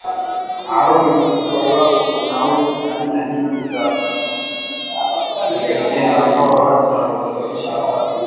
hauwi mkubwa iwapo unahusu aina nyingi za magonjwa ya kieneo ambayo hasa husababisha hasara